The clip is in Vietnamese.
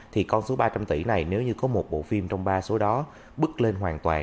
thì con số ba trăm linh tỷ này nếu như có một bộ phim trong ba số đó bước lên hoàn toàn